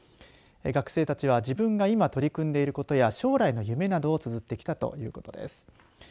学生たちは自分が今取り組んでいることや将来の夢などをつづってきたということです。